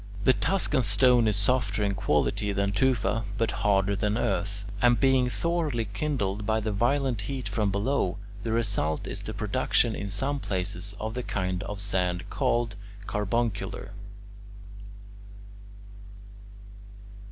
The Tuscan stone is softer in quality than tufa but harder than earth, and being thoroughly kindled by the violent heat from below, the result is the production in some places of the kind of sand called carbuncular.